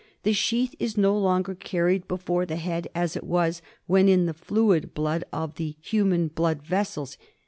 The sheath is no longer carried before the head as it was when in the fluid blood of the human blood vessels.